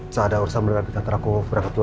saya ada urusan bergantung ke kantor aku berapa tuan ya